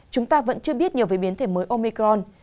chúng ta vẫn chưa biết nhiều về biến thể mới omicron